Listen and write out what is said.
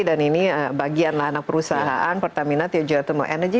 dan ini bagianlah anak perusahaan pertamina teo giotimo energy